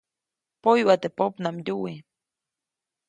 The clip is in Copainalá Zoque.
Poyuʼa teʼ popnamdyuwi.